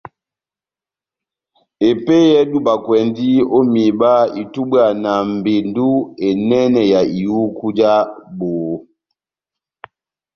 Epeyɛ edubakwɛndi o miba itubwa na mbendu enɛnɛ ya ihuku ja boho.